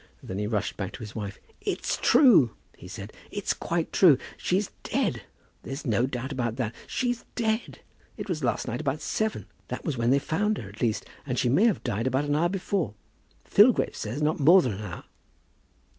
Then he rushed back to his wife. "It's true," he said. "It's quite true. She's dead. There's no doubt about that. She's dead. It was last night about seven. That was when they found her, at least, and she may have died about an hour before. Filgrave says not more than an hour."